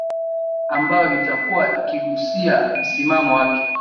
ambayo itakuwa ikigusia msimamo wake